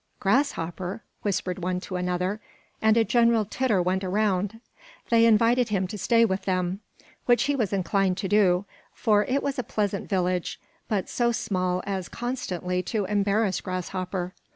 "Grasshopper!" whispered one to another; and a general titter went round. They invited him to stay with them, which he was inclined to do; for it was a pleasant village, but so small as constantly to embarrass Grasshopper.